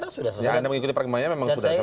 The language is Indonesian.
saya kira sudah selesai